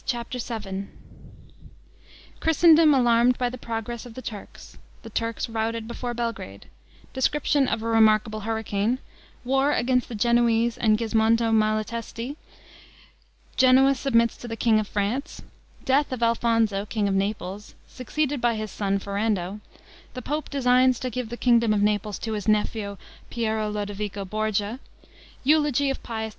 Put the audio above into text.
CHAPTER VII Christendom alarmed by the progress of the Turks The Turks routed before Belgrade Description of a remarkable hurricane War against the Genoese and Gismondo Malatesti Genoa submits to the king of France Death of Alfonso king of Naples Succeeded by his son Ferrando The pope designs to give the kingdom of Naples to his nephew Piero Lodovico Borgia Eulogy of Pius II.